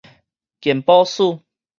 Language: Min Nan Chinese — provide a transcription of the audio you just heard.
健保署